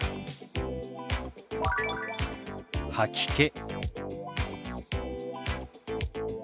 「吐き気」。